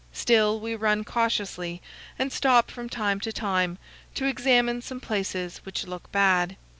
Still, we run cautiously and stop from time to time to examine some places which look bad.